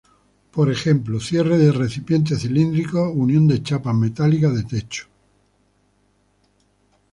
Por ejemplo: "Cierre de recipientes cilíndricos, unión de chapas metálicas de techos.